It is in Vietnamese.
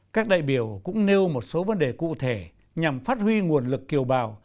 các đại biểu cũng nêu một số vấn đề cụ thể nhằm phát huy nguồn lực kiều bào